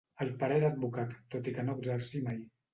El pare era advocat, tot i que no exercí mai.